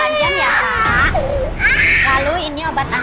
lalu ini obat antibiotiknya ditambahkan air